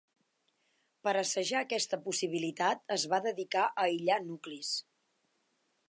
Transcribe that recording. Per assajar aquesta possibilitat es va dedicar a aïllar nuclis.